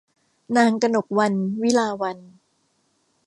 นางกนกวรรณ วิลาวัลย์